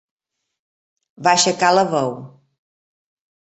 Va aixecar la veu.